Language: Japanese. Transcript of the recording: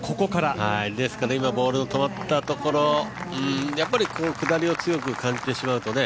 ですから今ボールの止まったところ、下りを強く感じてしまうとね